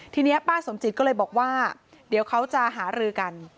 ทีนี้ป้าสมจิตก็เลยบอกว่าเดี๋ยวเขาจะหารือกัน